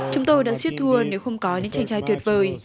chúng tôi đã suy thua nếu không có những tranh trai tuyệt vời